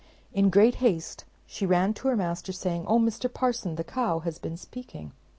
In great haste she ran to her master, saying, "Oh, Mr. Parson, the cow has been speaking."